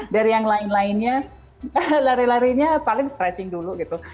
dari yang lain lainnya paling stretching dulu gitu